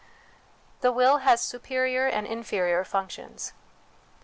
The Will has Superior and Inferior Func tions.